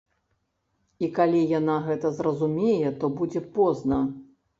І калі яна гэта зразумее, то будзе позна.